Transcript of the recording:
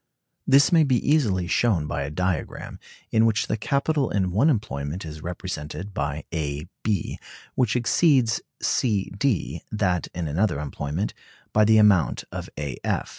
] This may be easily shown by a diagram in which the capital in one employment is represented by A B, and which exceeds C D, that in another employment, by the amount of A F.